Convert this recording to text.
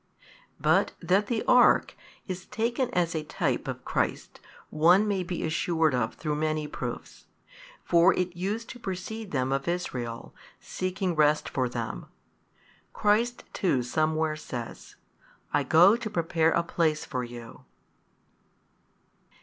But that the ark is taken as a type of Christ one may be assured of through many proofs. For it used to precede them of Israel, seeking rest for them; Christ too somewhere says, I go to prepare a place for you.